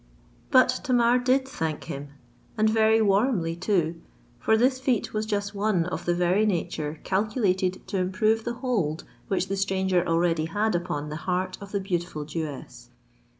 But Tamar did thank him—and very warmly too; for this feat was just one of the very nature calculated to improve the hold which the stranger already had upon the heart of the beautiful Jewess.